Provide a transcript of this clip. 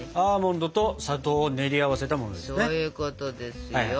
アーモンドと砂糖を練り合わせたものですね？